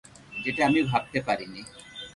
যেটা আমি ভাবতে পারিনি।